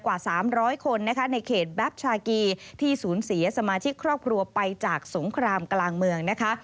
กว่า๓๐๐คนนะคะในเขตแบ็คชากีที่สูญเสียสมาชิกครอบครัวไปจากสงครามกลางเมืองนะคะ